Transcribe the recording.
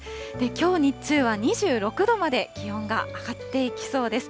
きょう日中は２６度まで気温が上がっていきそうです。